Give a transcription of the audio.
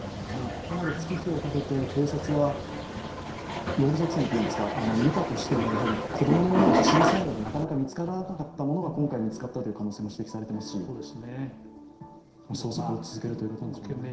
ここまで月日をかけて警察がロール作戦っていうんですか見たとしても子供のものは小さいのでなかなか見つからなかったものが今回見つかったという可能性も指摘されていますし、捜索を続けるということなんでしょうね。